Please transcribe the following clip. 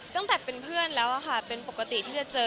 ตั้งแต่เป็นเพื่อนแล้วค่ะเป็นปกติที่จะเจอ